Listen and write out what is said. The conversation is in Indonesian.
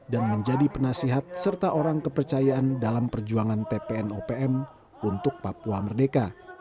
dan menjadi penasihat serta orang kepercayaan dalam perjuangan tpn opm untuk papua merdeka